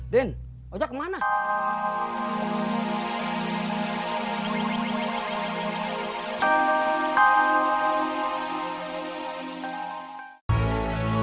dimei di kampus lho